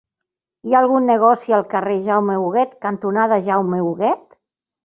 Hi ha algun negoci al carrer Jaume Huguet cantonada Jaume Huguet?